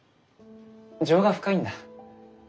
情が深いんだ。